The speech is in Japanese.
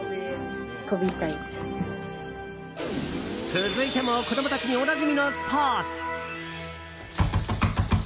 続いても、子供たちにおなじみのスポーツ。